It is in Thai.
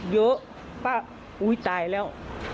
เยอะป้าอุ๊ยตายแล้ว